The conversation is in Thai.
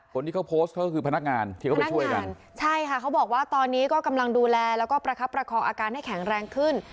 คนที่เขาโพสต์เขาก็คือพนักงานที่เขาไปช่วยกันใช่ค่ะเขาบอกว่าตอนนี้ก็กำลังดูแลแล้วก็ประคับประคองอาการให้แข็งแรงขึ้น